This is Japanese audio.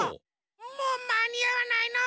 もうまにあわないの？